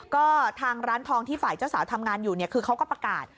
ก็ทางร้านทองที่ฝ่ายเจ้าสาวทำงานอยู่เนี่ยคือเขาก็ประกาศ